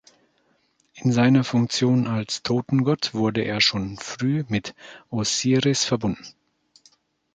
In seiner Funktion als Totengott wurde er schon früh mit Osiris verbunden.